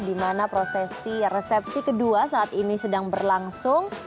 dimana prosesi resepsi kedua saat ini sedang berlangsung